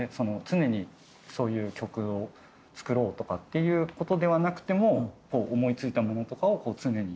常にそういう曲を作ろうとかっていう事ではなくても思い付いたものとかを常に。